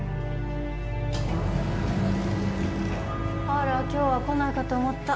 あら今日は来ないかと思った。